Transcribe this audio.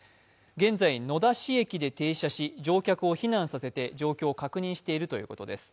現在野田市駅で停車し、乗客を避難させて状況を確認しているということです。